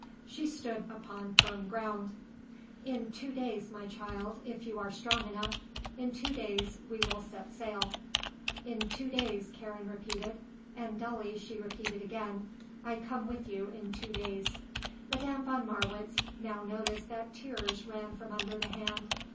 She stood upon firm ground. "In two days, my child, if you are strong enough. In two days we will set sail." "In two days," Karen repeated. And, dully, she repeated again; "I come with you in two days." Madame von Marwitz now noticed that tears ran from under the hand.